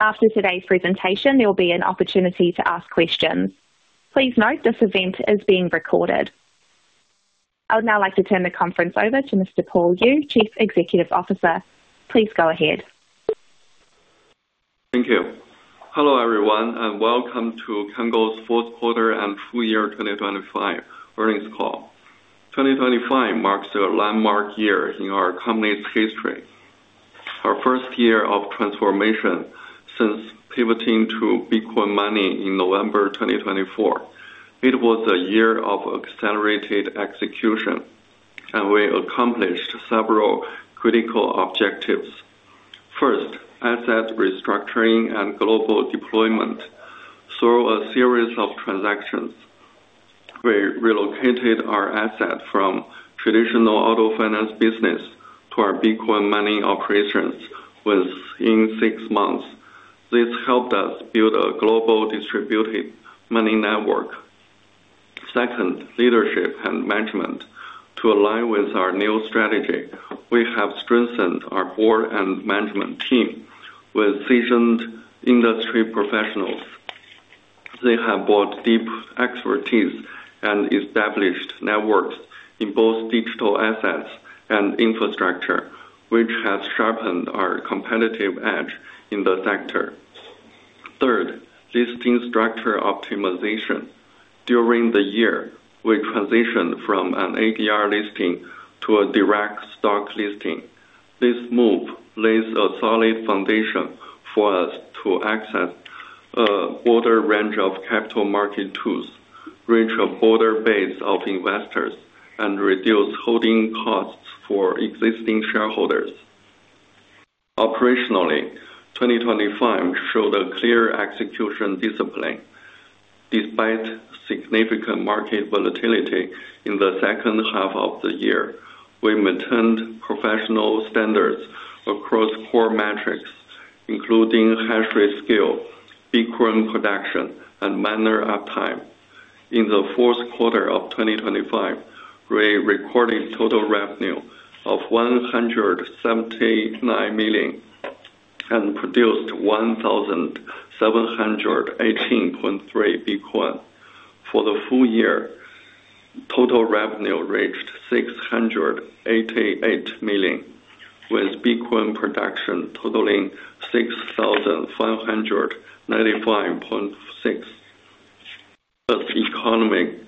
After today's presentation, there will be an opportunity to ask questions. Please note this event is being recorded. I would now like to turn the conference over to Mr. Paul Yu, Chief Executive Officer. Please go ahead. Thank you. Hello, everyone, and welcome to Cango's fourth quarter and full year 2025 earnings call. 2025 marks a landmark year in our company's history. Our first year of transformation since pivoting to Bitcoin mining in November 2024. It was a year of accelerated execution, and we accomplished several critical objectives. First, asset restructuring and global deployment. Through a series of transactions, we relocated our asset from traditional auto finance business to our Bitcoin mining operations within six months. This helped us build a global distributed mining network. Second, leadership and management. To align with our new strategy, we have strengthened our board and management team with seasoned industry professionals. They have brought deep expertise and established networks in both digital assets and infrastructure, which has sharpened our competitive edge in the sector. Third, listing structure optimization. During the year, we transitioned from an ADR listing to a direct stock listing. This move lays a solid foundation for us to access a broader range of capital market tools, reach a broader base of investors, and reduce holding costs for existing shareholders. Operationally, 2025 showed a clear execution discipline. Despite significant market volatility in the second half of the year, we maintained professional standards across core metrics, including hash rate scale, Bitcoin production, and miner uptime. In the fourth quarter of 2025, we recorded total revenue of $179 million, and produced 1,718.3 Bitcoin. For the full year, total revenue reached $688 million, with Bitcoin production totaling 6,595.6. As economy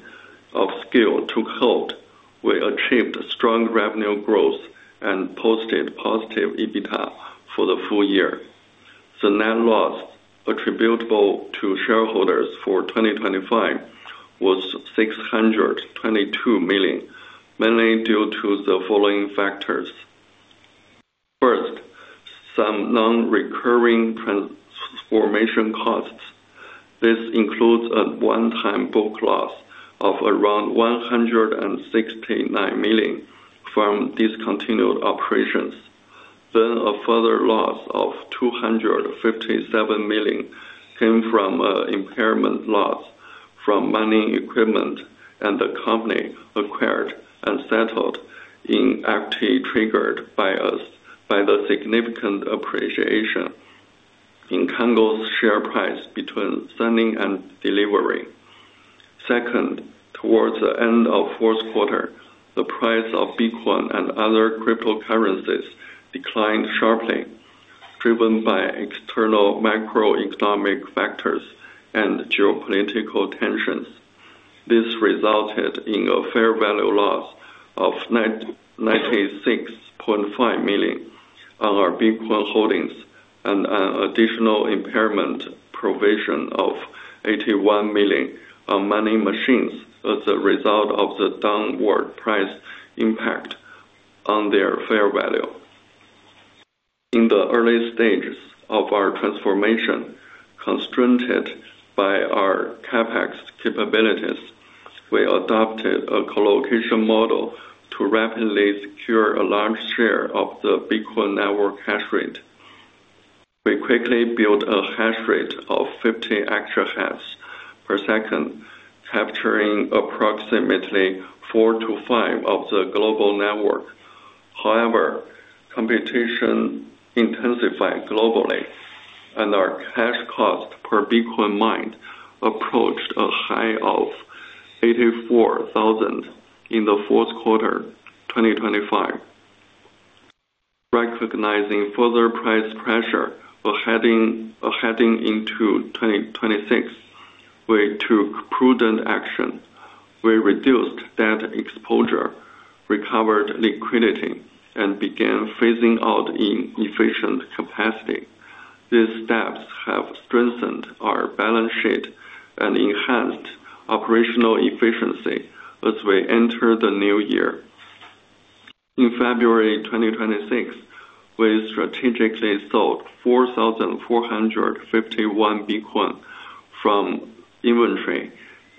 of scale took hold, we achieved strong revenue growth and posted positive EBITDA for the full year. The net loss attributable to shareholders for 2025 was $622 million, mainly due to the following factors. First, some non-recurring transformation costs. This includes a one-time book loss of around $169 million from discontinued operations. A further loss of $257 million came from impairment loss from mining equipment and the company acquired and settled in equity triggered by us by the significant appreciation in Cango's share price between signing and delivery. Towards the end of fourth quarter, the price of Bitcoin and other cryptocurrencies declined sharply, driven by external macroeconomic factors and geopolitical tensions. This resulted in a fair value loss of net $96.5 million on our Bitcoin holdings and an additional impairment provision of $81 million on mining machines as a result of the downward price impact on their fair value. In the early stages of our transformation, constrained by our CapEx capabilities, we adopted a co-location model to rapidly secure a large share of the Bitcoin network hash rate. We quickly built a hash rate of 50 exahash per second, capturing approximately 4%-5% of the global network. However, computation intensified globally and our cash cost per Bitcoin mined approached a high of $84,000 in the fourth quarter 2025. Recognizing further price pressure heading into 2026, we took prudent action. We reduced debt exposure, recovered liquidity, and began phasing out inefficient capacity. These steps have strengthened our balance sheet and enhanced operational efficiency as we enter the new year. In February 2026, we strategically sold 4,451 Bitcoin from inventory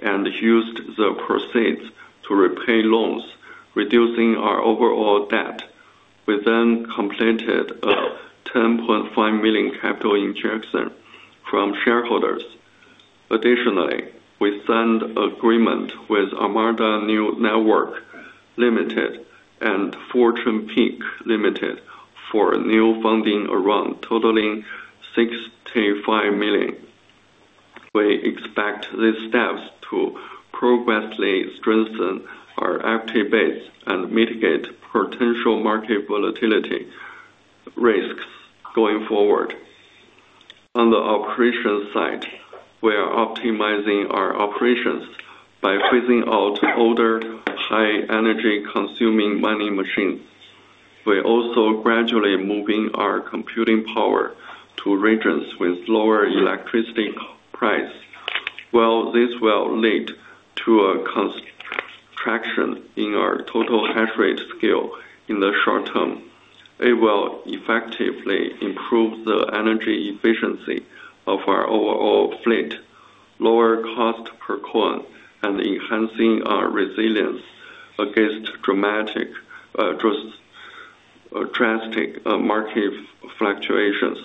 and used the proceeds to repay loans, reducing our overall debt. We completed a $10.5 million capital injection from shareholders. Additionally, we signed agreement with Armada Network Limited and Fortune Peak Limited for new funding around totaling $65 million. We expect these steps to progressively strengthen our active base and mitigate potential market volatility risks going forward. On the operations side, we are optimizing our operations by phasing out older, high energy consuming mining machines. We're also gradually moving our computing power to regions with lower electricity price. While this will lead to a contraction in our total hash rate scale in the short term, it will effectively improve the energy efficiency of our overall fleet, lower cost per coin, and enhancing our resilience against dramatic, drastic market fluctuations.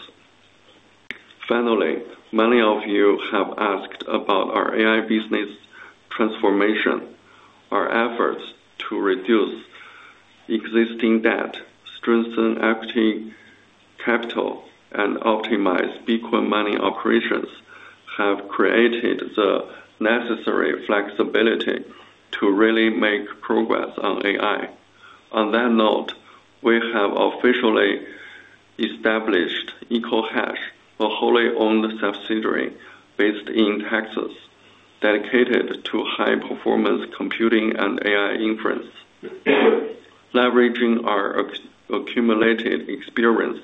Finally, many of you have asked about our AI business transformation. Our efforts to reduce existing debt, strengthen equity capital, and optimize Bitcoin mining operations have created the necessary flexibility to really make progress on AI. On that note, we have officially established EcoHash, a wholly owned subsidiary based in Texas, dedicated to high-performance computing and AI inference. Leveraging our accumulated experience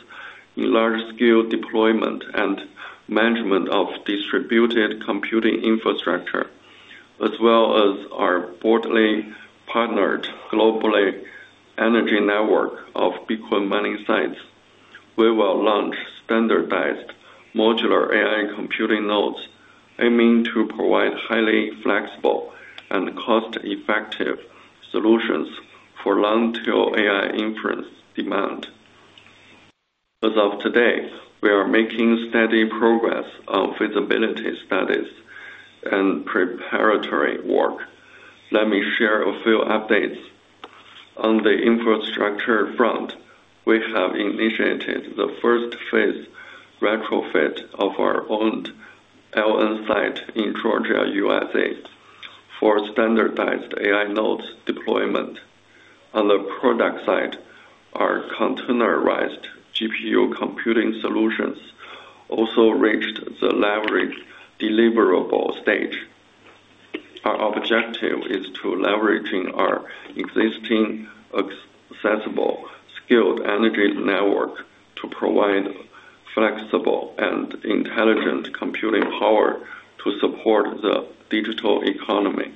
in large scale deployment and management of distributed computing infrastructure, as well as our broadly partnered global energy network of Bitcoin mining sites, we will launch standardized modular AI computing nodes aiming to provide highly flexible and cost-effective solutions for long-tail AI inference demand. As of today, we are making steady progress on feasibility studies and preparatory work. Let me share a few updates. On the infrastructure front, we have initiated the first phase retrofit of our owned mining site in Georgia, USA, for standardized AI nodes deployment. On the product side, our containerized GPU computing solutions also reached the leverage deliverable stage. Our objective is to leverage our existing accessible, skilled energy network to provide flexible and intelligent computing power to support the digital economy.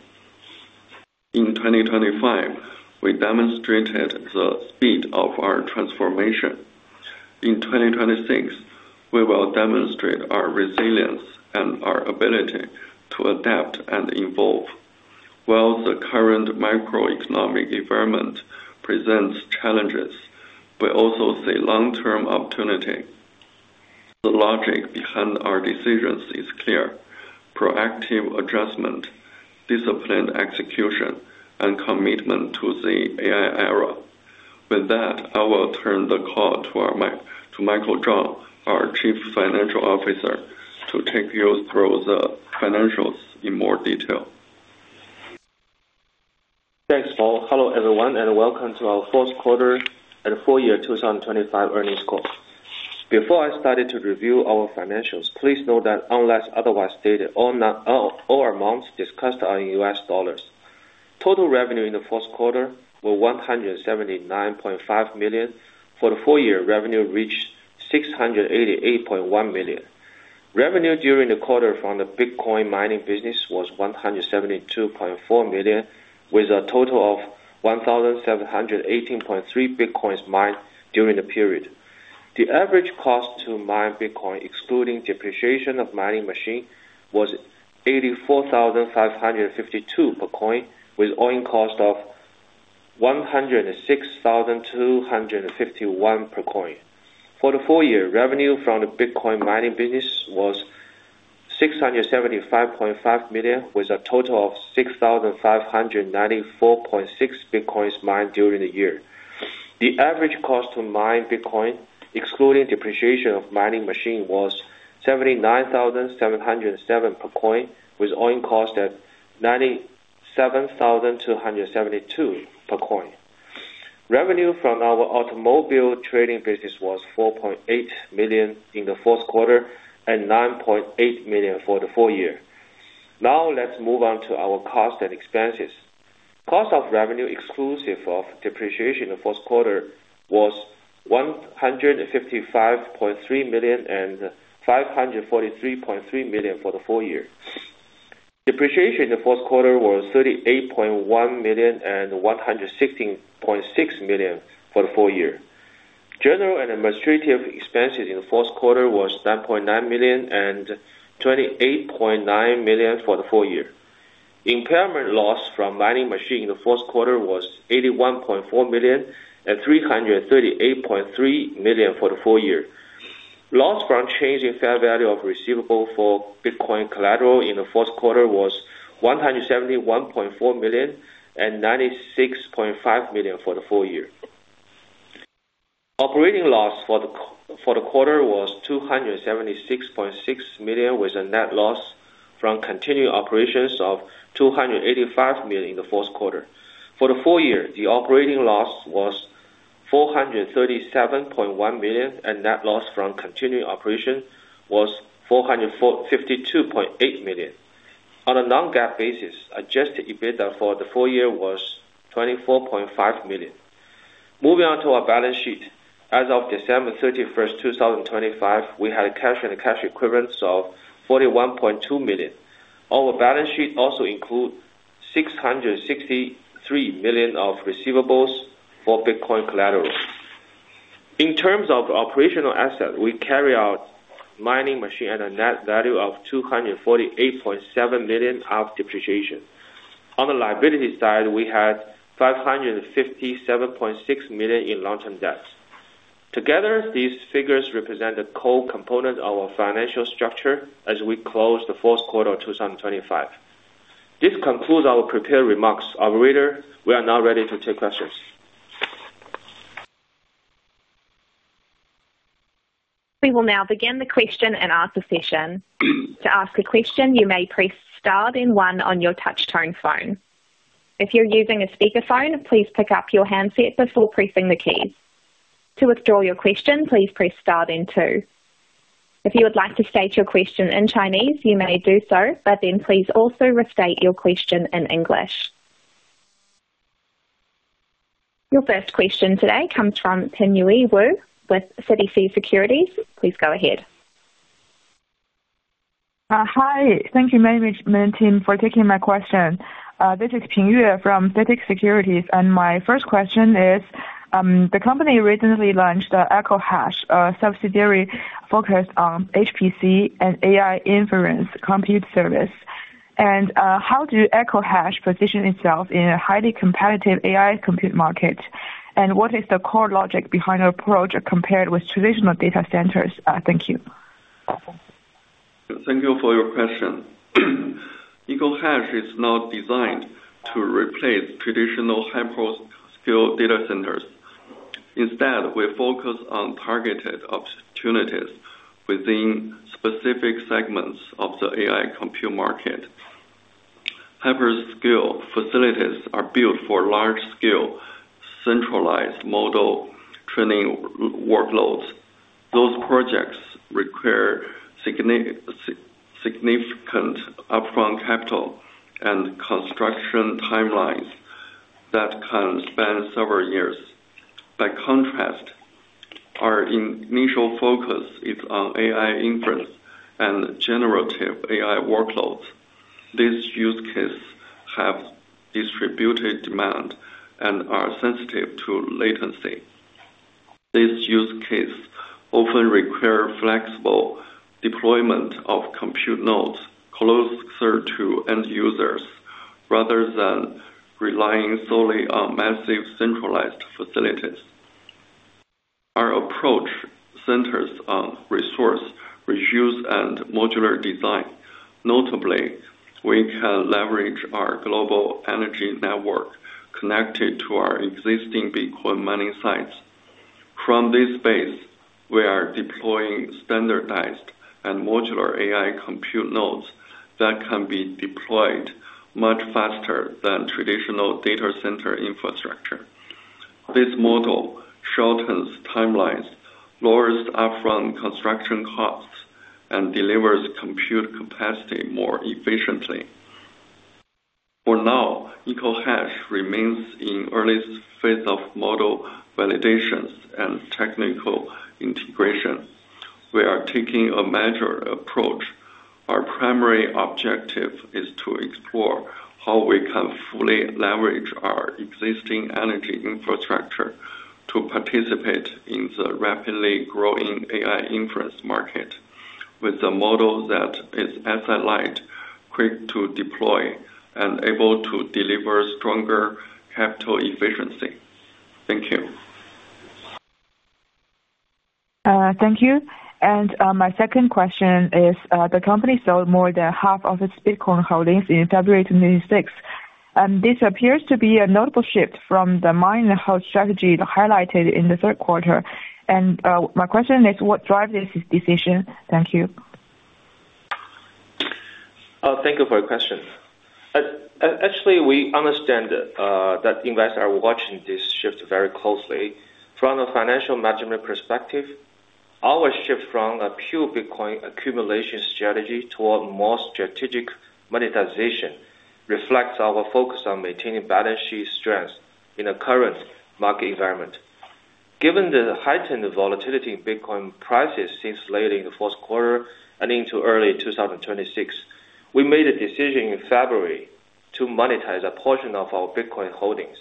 In 2025, we demonstrated the speed of our transformation. In 2026, we will demonstrate our resilience and our ability to adapt and evolve. While the current macroeconomic environment presents challenges, we also see long-term opportunity. The logic behind our decisions is clear, proactive adjustment, disciplined execution, and commitment to the AI era. With that, I will turn the call to Michael Zhang, our Chief Financial Officer, to take you through the financials in more detail. Thanks, Paul. Hello, everyone, and welcome to our fourth quarter and full year 2025 earnings call. Before I start to review our financials, please note that unless otherwise stated, all amounts discussed are in US dollars. Total revenue in the fourth quarter were $179.5 million. For the full year, revenue reached $688.1 million. Revenue during the quarter from the Bitcoin mining business was $172.4 million, with a total of 1,718.3 Bitcoins mined during the period. The average cost to mine Bitcoin, excluding depreciation of mining machine, was $84,552 per coin, with all-in cost of $106,251 per coin. For the full year, revenue from the Bitcoin mining business was $675.5 million, with a total of 6,594.6 Bitcoins mined during the year. The average cost to mine Bitcoin, excluding depreciation of mining machine, was $79,707 per coin, with all-in cost at $97,272 per coin. Revenue from our automobile trading business was $4.8 million in the fourth quarter and $9.8 million for the full year. Now, let's move on to our cost and expenses. Cost of revenue exclusive of depreciation in the fourth quarter was $155.3 million and $543.3 million for the full year. Depreciation in the fourth quarter was $38.1 million and $116.6 million for the full year. General and administrative expenses in the fourth quarter was $9.9 million and $28.9 million for the full year. Impairment loss from mining machine in the fourth quarter was $81.4 million and $338.3 million for the full year. Loss from change in fair value of receivable for Bitcoin collateral in the fourth quarter was $171.4 million and $96.5 million for the full year. Operating loss for the quarter was $276.6 million, with a net loss from continuing operations of $285 million in the fourth quarter. For the full year, the operating loss was $437.1 million, and net loss from continuing operations was $452.8 million. On a non-GAAP basis, adjusted EBITDA for the full year was $24.5 million. Moving on to our balance sheet. As of December 31, 2025, we had cash and cash equivalents of $41.2 million. Our balance sheet also includes $663 million of receivables for Bitcoin collateral. In terms of operational assets, we carry our mining machines at a net value of $248.7 million of depreciation. On the liability side, we had $557.6 million in long-term debt. Together, these figures represent a core component of our financial structure as we close the fourth quarter of 2025. This concludes our prepared remarks. Operator, we are now ready to take questions. We will now begin the question and answer session. To ask a question, you may press star then one on your touchtone phone. If you're using a speakerphone, please pick up your handset before pressing the key. To withdraw your question, please press star then two. If you would like to state your question in Chinese, you may do so, but then please also restate your question in English. Your first question today comes from Pingyue Wu with CITIC Securities. Please go ahead. Hi. Thank you, management team, for taking my question. This is Pingyue from CITIC Securities. My first question is, the company recently launched the EcoHash, a subsidiary focused on HPC and AI inference compute service. How do EcoHash position itself in a highly competitive AI compute market? What is the core logic behind your approach compared with traditional data centers? Thank you. Thank you for your question. EcoHash is not designed to replace traditional hyperscale data centers. Instead, we focus on targeted opportunities within specific segments of the AI compute market. Hyperscale facilities are built for large-scale centralized model training workloads. Those projects require significant upfront capital and construction timelines that can span several years. By contrast, our initial focus is on AI inference and generative AI workloads. These use cases have distributed demand and are sensitive to latency. These use cases often require flexible deployment of compute nodes closer to end users, rather than relying solely on massive centralized facilities. Our approach centers on resource reuse and modular design. Notably, we can leverage our global energy network connected to our existing Bitcoin mining sites. From this space, we are deploying standardized and modular AI compute nodes that can be deployed much faster than traditional data center infrastructure. This model shortens timelines, lowers upfront construction costs, and delivers compute capacity more efficiently. For now, EcoHash remains in early phase of model validations and technical integration. We are taking a measured approach. Our primary objective is to explore how we can fully leverage our existing energy infrastructure to participate in the rapidly growing AI inference market with a model that is asset light, quick to deploy, and able to deliver stronger capital efficiency. Thank you. Thank you. My second question is, the company sold more than half of its Bitcoin holdings in February 2026. This appears to be a notable shift from the mine and hold strategy highlighted in the third quarter. My question is, what drives this decision? Thank you. Thank you for your question. Actually, we understand that investors are watching this shift very closely. From a financial management perspective, our shift from a pure Bitcoin accumulation strategy toward more strategic monetization reflects our focus on maintaining balance sheet strength in the current market environment. Given the heightened volatility in Bitcoin prices since late in the fourth quarter and into early 2026, we made a decision in February to monetize a portion of our Bitcoin holdings.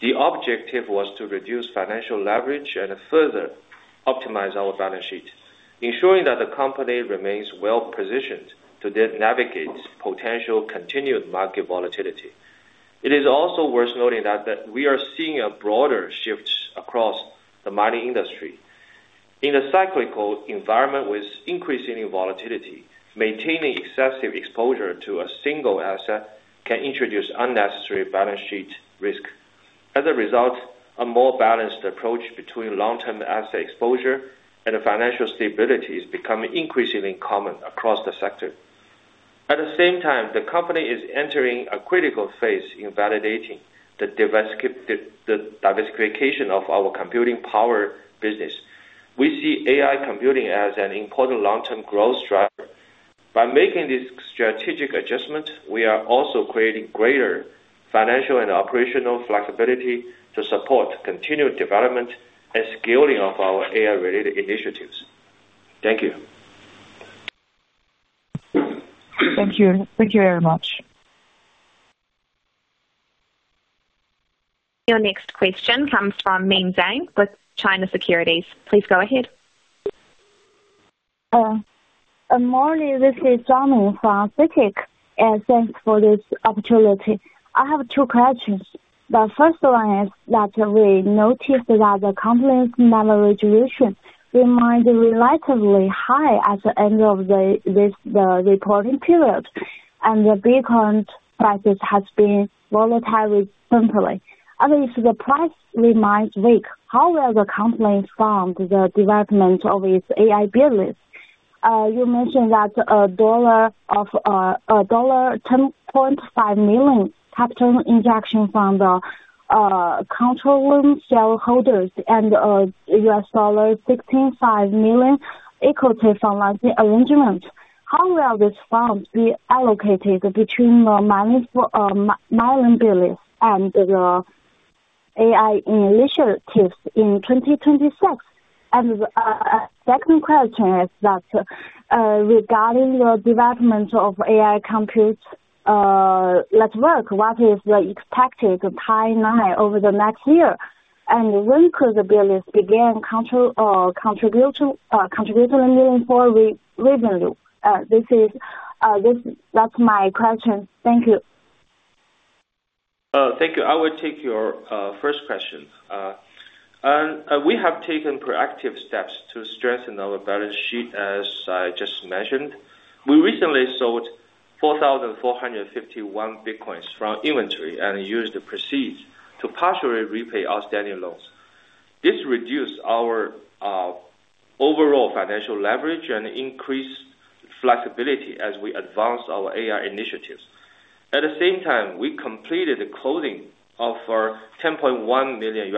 The objective was to reduce financial leverage and further optimize our balance sheet, ensuring that the company remains well-positioned to then navigate potential continued market volatility. It is also worth noting that we are seeing a broader shift across the mining industry. In a cyclical environment with increasing volatility, maintaining excessive exposure to a single asset can introduce unnecessary balance sheet risk. As a result, a more balanced approach between long-term asset exposure and financial stability is becoming increasingly common across the sector. At the same time, the company is entering a critical phase in validating the diversification of our computing power business. We see AI computing as an important long-term growth driver. By making this strategic adjustment, we are also creating greater financial and operational flexibility to support continued development and scaling of our AI-related initiatives. Thank you. Thank you. Thank you very much. Your next question comes from Ming Zhang with Minsheng Securities. Please go ahead. Morning, this is Zhang from CITIC, and thanks for this opportunity. I have two questions. The first one is that we noticed that the company's net position remained relatively high at the end of the reporting period, and the Bitcoin prices has been volatile recently. I mean, if the price remains weak, how will the company fund the development of its AI business? You mentioned that a $10.5 million capital injection from the controlling shareholders and $65 million equity financing arrangement. How will these funds be allocated between the mining business and the AI initiatives in 2026? Second question is that, regarding your development of AI compute network, what is the expected timeline over the next year? When could the business begin contribution in full revenue? That's my question. Thank you. Thank you. I will take your first question. We have taken proactive steps to strengthen our balance sheet, as I just mentioned. We recently sold 4,451 Bitcoins from inventory and used the proceeds to partially repay outstanding loans. This reduced our overall financial leverage and increased flexibility as we advance our AI initiatives. At the same time, we completed the closing of our $10.1 million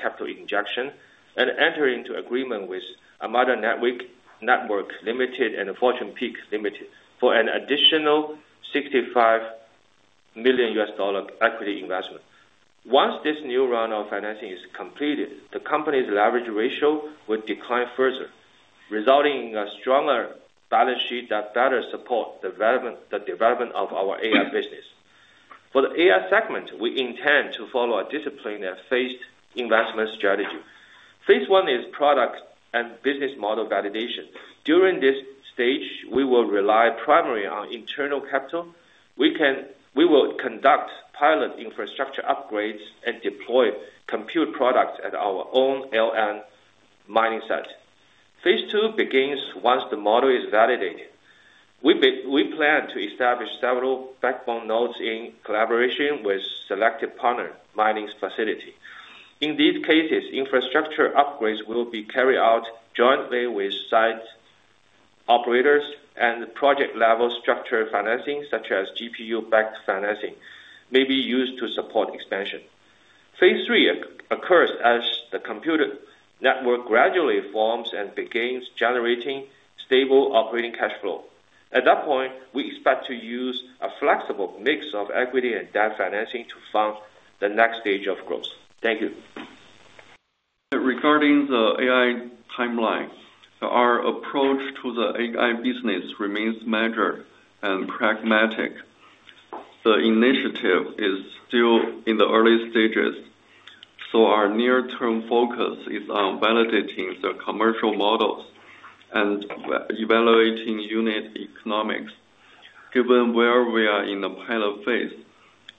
capital injection and enter into agreement with Armada Network Limited and Fortune Peak Limited for an additional $65 million equity investment. Once this new round of financing is completed, the company's leverage ratio will decline further, resulting in a stronger balance sheet that better support the development of our AI business. For the AI segment, we intend to follow a disciplined and phased investment strategy. Phase one is product and business model validation. During this stage, we will rely primarily on internal capital. We will conduct pilot infrastructure upgrades and deploy compute products at our own mining site in Georgia. Phase two begins once the model is validated. We plan to establish several backbone nodes in collaboration with selected partner mining facility. In these cases, infrastructure upgrades will be carried out jointly with site operators and project-level structured financing, such as GPU-backed financing, may be used to support expansion. Phase three occurs as the compute network gradually forms and begins generating stable operating cash flow. At that point, we expect to use a flexible mix of equity and debt financing to fund the next stage of growth. Thank you. Regarding the AI timeline, our approach to the AI business remains measured and pragmatic. The initiative is still in the early stages, so our near-term focus is on validating the commercial models and re-evaluating unit economics. Given where we are in the pilot phase,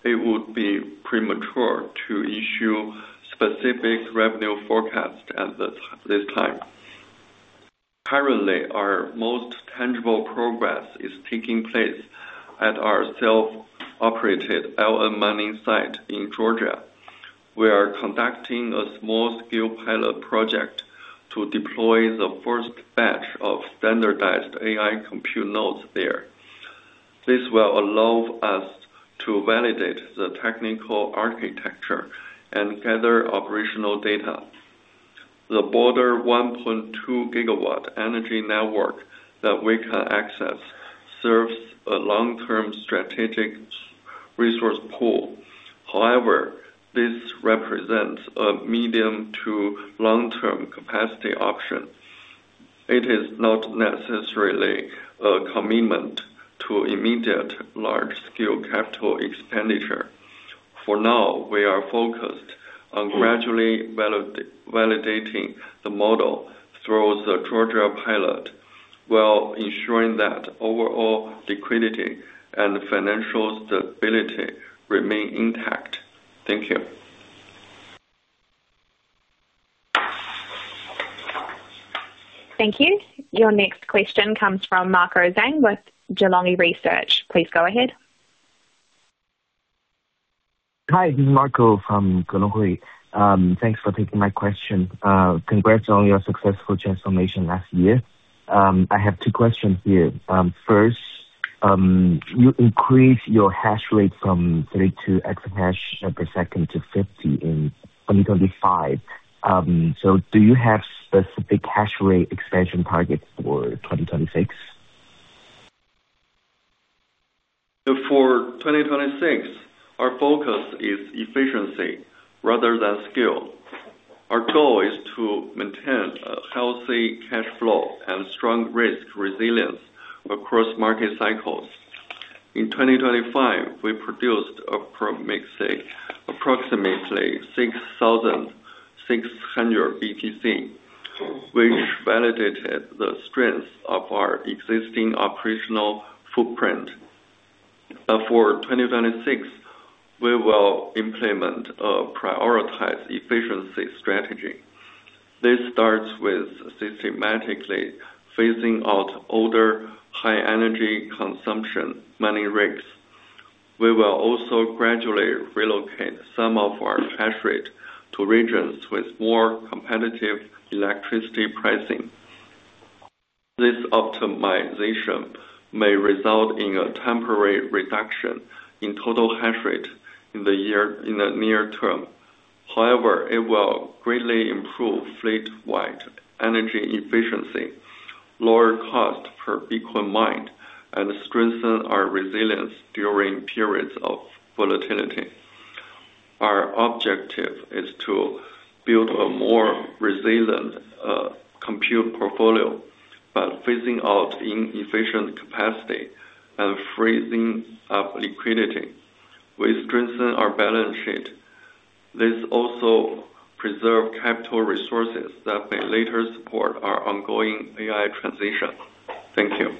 it would be premature to issue specific revenue forecast at this time. Currently, our most tangible progress is taking place at our self-operated mining site in Georgia. We are conducting a small-scale pilot project to deploy the first batch of standardized AI compute nodes there. This will allow us to validate the technical architecture and gather operational data. The broader 1.2 GW energy network that we can access serves a long-term strategic resource pool. However, this represents a medium to long-term capacity option. It is not necessarily a commitment to immediate large scale capital expenditure. For now, we are focused on gradually validating the model through the Georgia pilot, while ensuring that overall liquidity and financial stability remain intact. Thank you. Thank you. Your next question comes from Marco Zhang with Gelonghui Research. Please go ahead. Hi, this is Marco from Gelonghui. Thanks for taking my question. Congrats on your successful transformation last year. I have two questions here. First, you increased your hash rate from 3 exahash per second to 50 in 2025. Do you have specific hash rate expansion targets for 2026? For 2026, our focus is efficiency rather than scale. Our goal is to maintain a healthy cash flow and strong risk resilience across market cycles. In 2025, we produced approximately 6,600 BTC, which validated the strength of our existing operational footprint. For 2026, we will implement a prioritized efficiency strategy. This starts with systematically phasing out older, high energy consumption mining rigs. We will also gradually relocate some of our hash rate to regions with more competitive electricity pricing. This optimization may result in a temporary reduction in total hash rate in the year, in the near term. However, it will greatly improve fleet-wide energy efficiency, lower cost per Bitcoin mined, and strengthen our resilience during periods of volatility. Our objective is to build a more resilient compute portfolio by phasing out inefficient capacity and freeing up liquidity. We strengthen our balance sheet. This also preserve capital resources that may later support our ongoing AI transition. Thank you.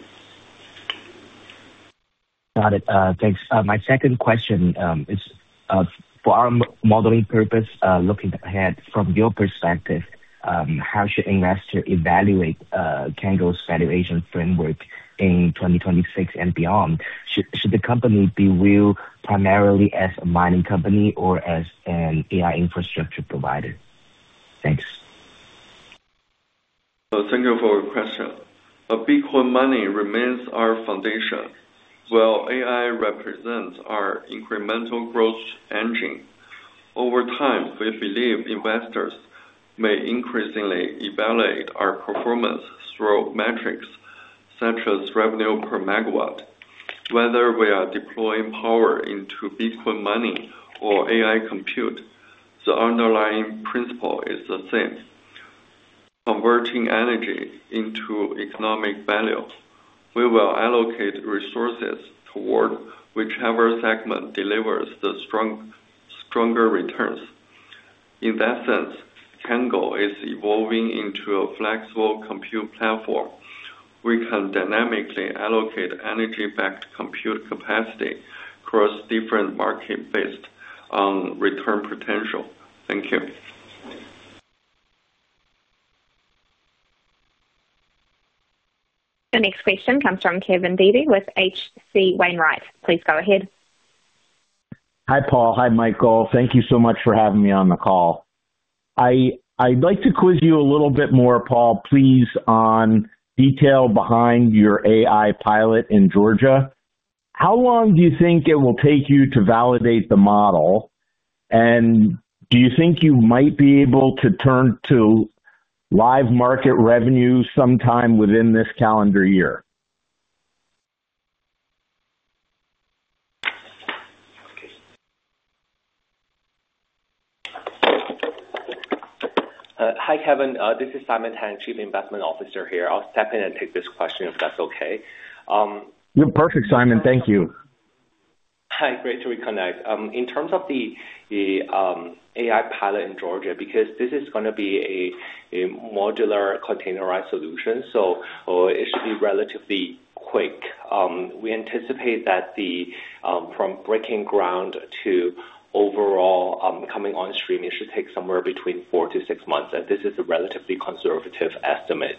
Got it. Thanks. My second question is for our modeling purpose, looking ahead, from your perspective, how should investors evaluate Cango's valuation framework in 2026 and beyond? Should the company be viewed primarily as a mining company or as an AI infrastructure provider? Thanks. Thank you for your question. Bitcoin mining remains our foundation, while AI represents our incremental growth engine. Over time, we believe investors may increasingly evaluate our performance through metrics such as revenue per megawatt. Whether we are deploying power into Bitcoin mining or AI compute, the underlying principle is the same: converting energy into economic value. We will allocate resources toward whichever segment delivers stronger returns. In that sense, Cango is evolving into a flexible compute platform. We can dynamically allocate energy-backed compute capacity across different markets based on return potential. Thank you. The next question comes from Kevin Dede with H.C. Wainwright. Please go ahead. Hi, Paul. Hi, Michael. Thank you so much for having me on the call. I'd like to quiz you a little bit more, Paul, please, on detail behind your AI pilot in Georgia. How long do you think it will take you to validate the model? Do you think you might be able to turn to live market revenue sometime within this calendar year? Okay. Hi, Kevin. This is Simon Tang, Chief Investment Officer here. I'll step in and take this question, if that's okay. You're perfect, Simon. Thank you. Hi. Great to reconnect. In terms of the AI pilot in Georgia, because this is gonna be a modular containerized solution, so it should be relatively quick. We anticipate that from breaking ground to overall coming on stream, it should take somewhere between 4-6 months, and this is a relatively conservative estimate.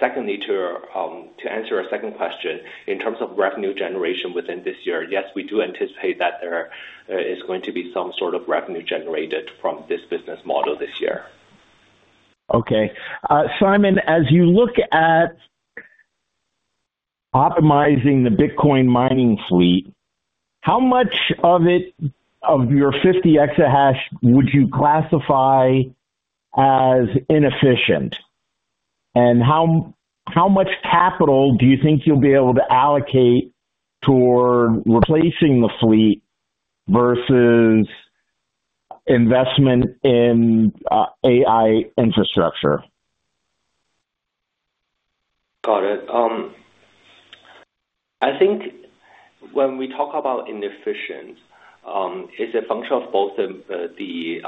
Secondly to answer a second question, in terms of revenue generation within this year, yes, we do anticipate that there is going to be some sort of revenue generated from this business model this year. Okay. Simon, as you look at optimizing the Bitcoin mining fleet, how much of your 50 exahash would you classify as inefficient? How much capital do you think you'll be able to allocate toward replacing the fleet versus investment in AI infrastructure? Got it. I think when we talk about inefficient, it's a function of both the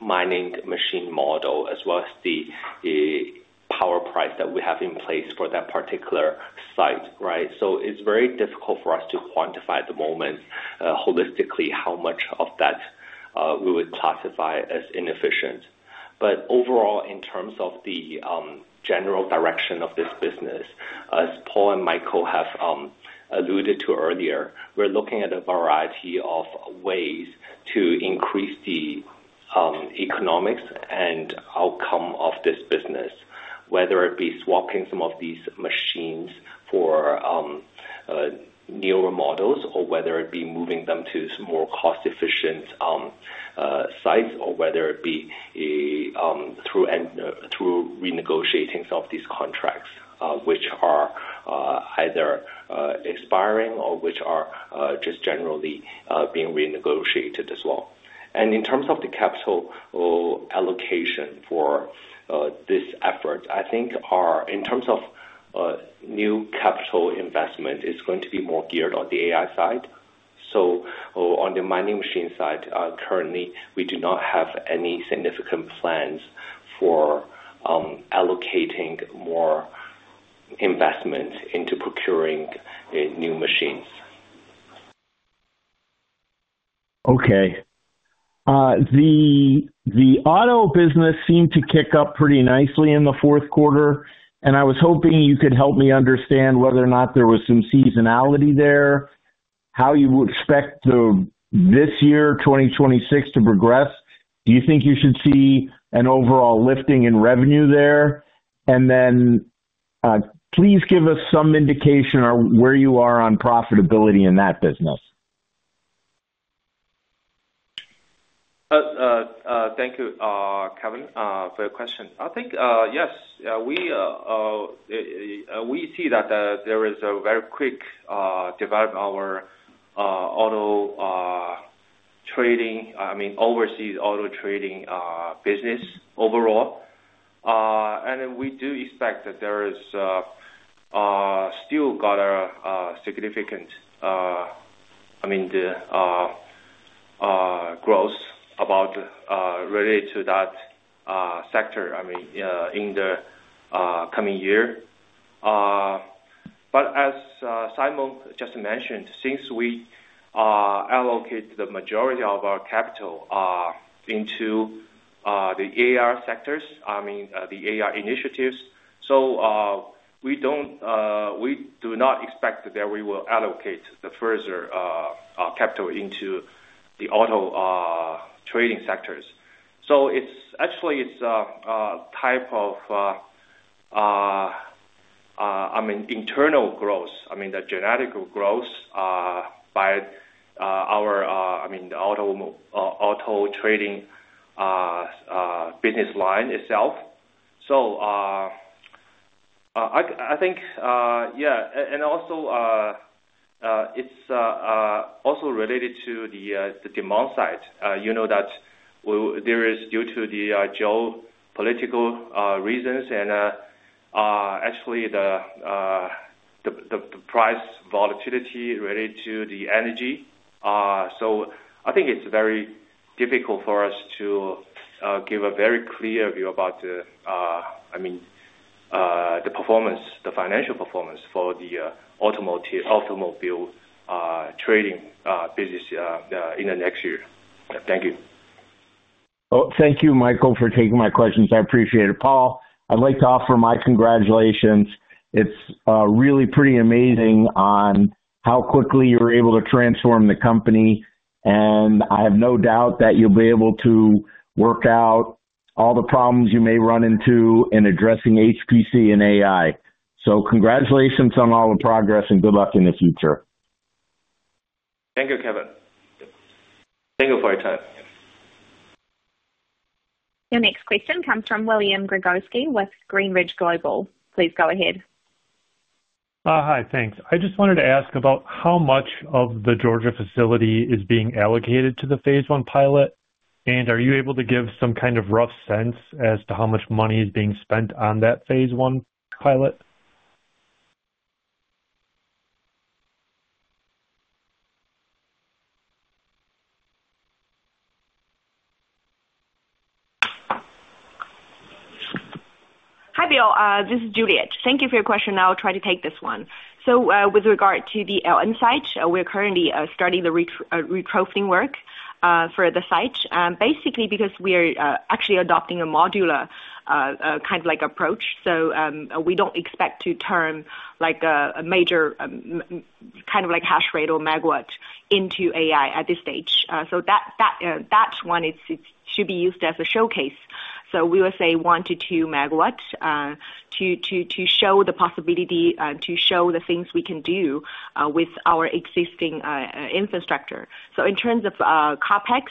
mining machine model as well as the power price that we have in place for that particular site, right? It's very difficult for us to quantify at the moment, holistically how much of that we would classify as inefficient. Overall, in terms of the general direction of this business, as Paul and Michael have alluded to earlier, we're looking at a variety of ways to increase the economics and outcome of this business, whether it be swapping some of these machines for newer models or whether it be moving them to some more cost-efficient sites or whether it be through renegotiating some of these contracts, which are either expiring or which are just generally being renegotiated as well. In terms of the capital allocation for this effort, in terms of new capital investment, it's going to be more geared on the AI side. On the mining machine side, currently we do not have any significant plans for allocating more investment into procuring new machines. Okay. The auto business seemed to kick up pretty nicely in the fourth quarter, and I was hoping you could help me understand whether or not there was some seasonality there, how you expect this year, 2026, to progress. Do you think you should see an overall lifting in revenue there? And then, please give us some indication on where you are on profitability in that business. Thank you, Kevin, for your question. I think yes, we see that there is a very quick development of our overseas auto trading business overall. We do expect that there is still a significant growth related to that sector in the coming year. As Simon just mentioned, since we allocate the majority of our capital into the AI sectors, I mean, the AI initiatives. We do not expect that we will allocate further capital into the auto trading sectors. It's actually a type of internal growth. I mean, the organic growth by our auto trading business line itself. I think, yeah, and also, it's also related to the demand side. You know that there is due to the geopolitical reasons and, actually, the price volatility related to the energy. I think it's very difficult for us to give a very clear view about, I mean, the performance, the financial performance for the automotive automobile trading business in the next year. Thank you. Oh, thank you, Michael, for taking my questions. I appreciate it. Paul, I'd like to offer my congratulations. It's really pretty amazing on how quickly you're able to transform the company, and I have no doubt that you'll be able to work out all the problems you may run into in addressing HPC and AI. Congratulations on all the progress and good luck in the future. Thank you, Kevin. Thank you for your time. Your next question comes from William Gregozeski with Greenridge Global. Please go ahead. Hi. Thanks. I just wanted to ask about how much of the Georgia facility is being allocated to the phase one pilot, and are you able to give some kind of rough sense as to how much money is being spent on that phase one pilot? Hi, Bill. This is Juliet. Thank you for your question. I'll try to take this one. With regard to the mining site in Georgia, we're currently starting the retrofitting work for the site, basically because we're actually adopting a modular kind of like approach. We don't expect to turn like a major kind of hash rate or MW into AI at this stage. That one. It should be used as a showcase. We will say 1-2 MW to show the possibility to show the things we can do with our existing infrastructure. In terms of CapEx,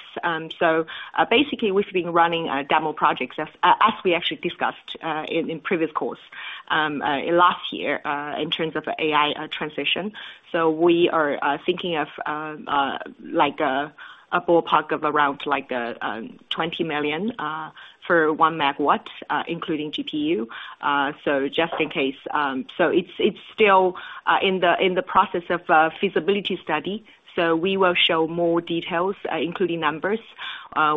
basically we've been running demo projects as we actually discussed in previous calls last year in terms of AI transition. We are thinking of a ballpark of around like $20 million for one megawatt including GPU. Just in case. It's still in the process of a feasibility study, so we will show more details including numbers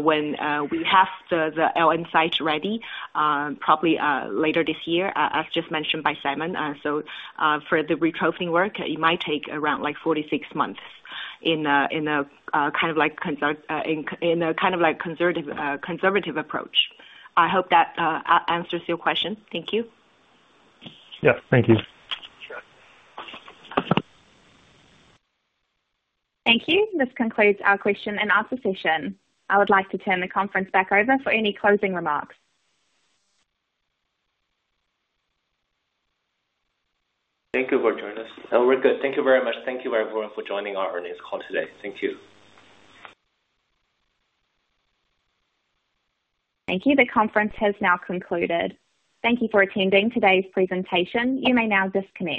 when we have the LM site ready probably later this year as just mentioned by Simon. For the retrofitting work, it might take around like 4 to 6 months in a kind of like conservative approach. I hope that answers your question. Thank you. Yes. Thank you. Thank you. This concludes our question and our session. I would like to turn the conference back over for any closing remarks. Thank you for joining us. Oh, we're good. Thank you very much. Thank you everyone for joining our earnings call today. Thank you. Thank you. The conference has now concluded. Thank you for attending today's presentation. You may now disconnect.